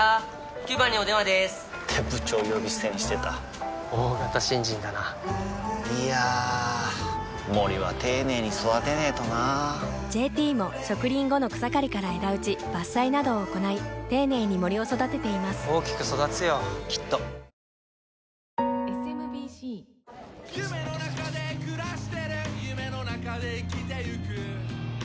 ９番にお電話でーす！って部長呼び捨てにしてた大型新人だないやー森は丁寧に育てないとな「ＪＴ」も植林後の草刈りから枝打ち伐採などを行い丁寧に森を育てています大きく育つよきっとトヨタイムズの富川悠太です